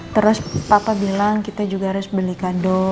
terus papa bilang kita juga harus beli kado